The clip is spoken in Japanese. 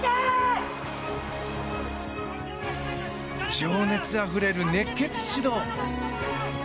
情熱あふれる熱血指導。